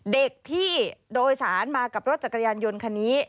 เด็กที่โดยสารมากับรถจักรยานยนต์คันนี้